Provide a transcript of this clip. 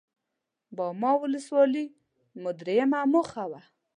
باما ولسوالي مو درېيمه موخه وه.